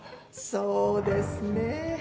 そうですね